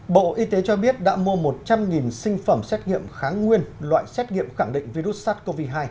bộ y tế cho biết đã mua một trăm linh sinh phẩm xét nghiệm kháng nguyên loại xét nghiệm khẳng định virus sars cov hai